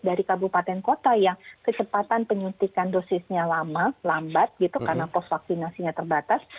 dari kabupaten kota yang kecepatan penyuntikan dosisnya lama lambat gitu karena pos vaksinasinya terbatas